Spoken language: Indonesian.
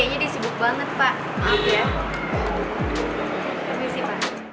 iya bu baik